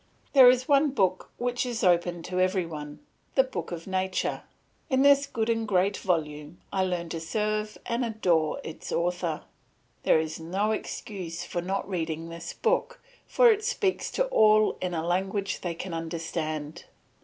There is one book which is open to every one the book of nature. In this good and great volume I learn to serve and adore its Author. There is no excuse for not reading this book, for it speaks to all in a language they can understand.